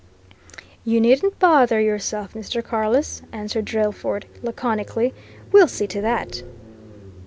"You needn't bother yourself, Mr. Carless," answered Drillford laconically. "We'll see to that!"